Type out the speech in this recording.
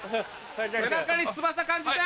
背中に翼感じて！